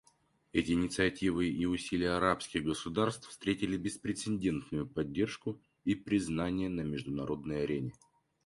Эти инициативы и усилия арабских государств встретили беспрецедентную поддержку и признание на международной арене.